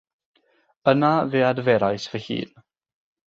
Yna fe adferais fy hun.